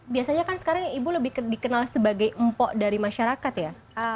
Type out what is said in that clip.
biasanya kan sekarang ibu lebih dikenal sebagai mpok dari masyarakat ya